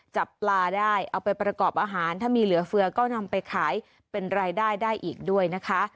จับปลาได้เอาไปประกอบอาหารถ้ามีเหลือเฟือก็นำไปขายเป็นรายได้ได้อีกด้วยนะคะ